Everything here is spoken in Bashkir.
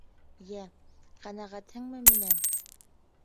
Йә, ҡәнәғәтһеңме минән?